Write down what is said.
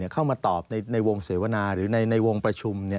เข้ามาตอบในวงเสวนาหรือในวงประชุม